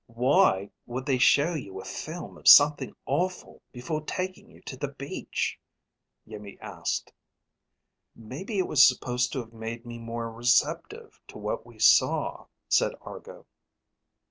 "Why would they show you a film of something awful before taking you to the beach." Iimmi asked. "Maybe it was supposed to have made me more receptive to what we saw," said Argo.